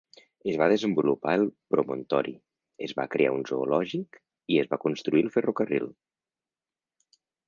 Es va desenvolupar el promontori, es va crear un zoològic i es va construir el ferrocarril.